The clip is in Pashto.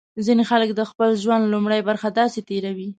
ځینې خلک د خپل ژوند لومړۍ برخه داسې تېروي.